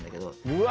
うわ！